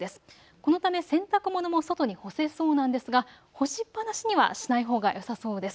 このため洗濯物も外に干せそうなんですが干しっぱなしにはしないほうがよさそうです。